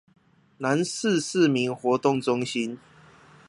南勢市民活動中心